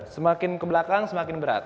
semakin ke belakang semakin berat